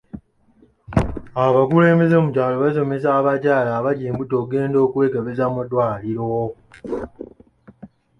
Abakulembeze b'ebyalo basomesa abakyala abali embuto okugendanga okwekebeza mu ddwaliro.